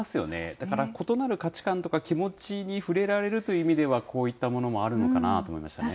だから、異なる価値観とか気持ちに触れられるという意味では、こういったものもあるのかなと思いましたね。